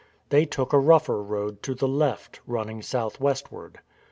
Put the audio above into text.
They took a rougher road to the left, running south westward.